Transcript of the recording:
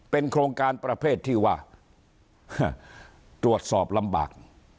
โครงการประเภทที่ว่าตรวจสอบลำบาก